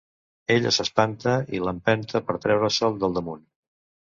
Ella s'espanta i l'empenta per treure-se'l del damunt.